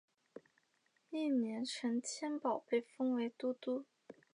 翌年陈添保被封为都督。